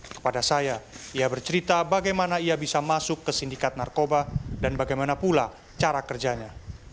kepada saya ia bercerita bagaimana ia bisa masuk ke sindikat narkoba dan bagaimana pula cara kerjanya